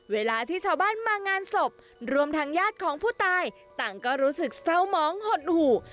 เวลาที่ชาวบ้านมางานศพรวมทางญาติของผู้ตายต่างก็รู้สึกเศร้าหมองหดหู่